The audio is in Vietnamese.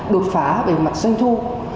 đột phá về mặt doanh thu